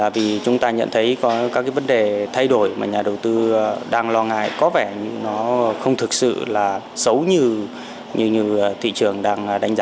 vì chúng ta nhận thấy có các vấn đề thay đổi mà nhà đầu tư đang lo ngại có vẻ như nó không thực sự là xấu như thị trường đang đánh giá